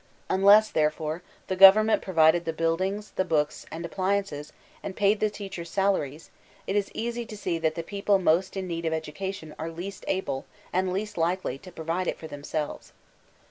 Unless, therefore, the government provided the buildings, the books, and appliances, and paid the teachers' salaries, it is easy to see that the people most in need of education are least able, and least lUcely, to provide it for them selves.